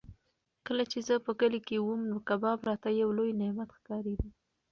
کله چې زه په کلي کې وم نو کباب راته یو لوی نعمت ښکارېده.